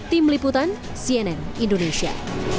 tim liputan cnn indonesia